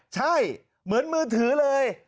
ใช่เหมือนมือถือเลย